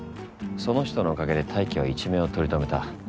その人のおかげで泰生は一命を取り留めた。